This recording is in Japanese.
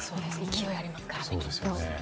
勢いありますからね。